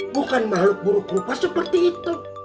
bukan makhluk buruk rupa seperti itu